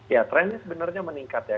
ya trennya sebenarnya meningkat ya